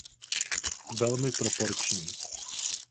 Velmi proporční!